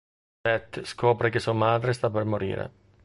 Beth scopre che sua madre sta per morire.